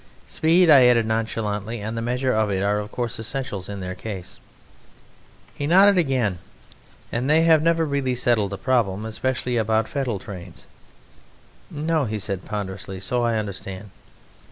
"Speed," I added nonchalantly, "and the measure of it are of course essentials in their case." He nodded again. "And they have never really settled the problem ... especially about Fettle Trains." "No," said he ponderously, "so I understand."